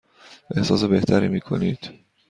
احساس بهتری می کنید؟